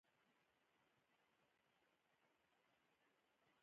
چې زموږ د وطن تاریخ پکې ښودل شوی و